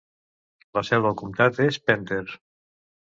La seu del comtat és Pender.